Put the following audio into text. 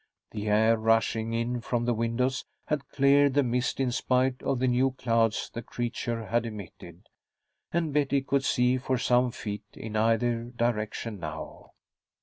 The air, rushing in from the windows, had cleared the mist, in spite of the new clouds the creature had emitted, and Betty could see for some feet in either direction now.